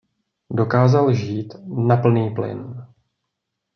Dokázal žít „na plný plyn“.